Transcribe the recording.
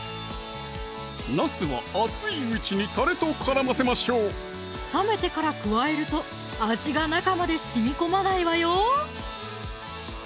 なすは熱いうちにたれと絡ませましょう冷めてから加えると味が中までしみこまないわよ